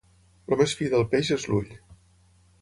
El més fi del peix és l'ull.